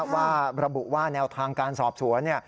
ว่าระบุว่าแนวทางการสอบสวน